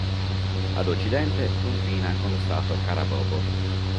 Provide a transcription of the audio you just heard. Ad occidente confina con lo Stato Carabobo.